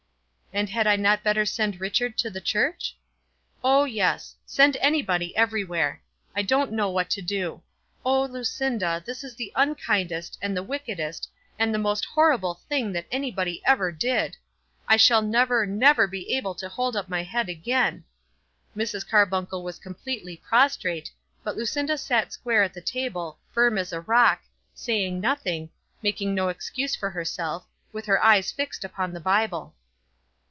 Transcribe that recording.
"And had I not better send Richard to the church?" "Oh yes; send anybody everywhere. I don't know what to do. Oh, Lucinda, this is the unkindest and the wickedest, and the most horrible thing that anybody ever did! I shall never, never be able to hold up my head again." Mrs. Carbuncle was completely prostrate, but Lucinda sat square at the table, firm as a rock, saying nothing, making no excuse for herself, with her eyes fixed upon the Bible.